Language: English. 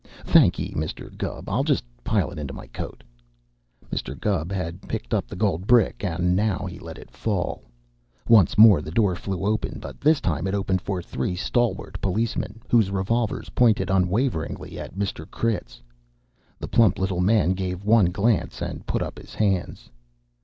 Thankee, Mister Gubb. I'll just pile into my coat " Mr. Gubb had picked up the gold brick, and now he let it fall. Once more the door flew open, but this time it opened for three stalwart policemen, whose revolvers pointed unwaveringly at Mr. Critz. The plump little man gave one glance, and put up his hands.